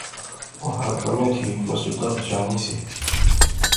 او ہر کمے تھی نصرتا بچانی سی